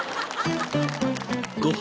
ご飯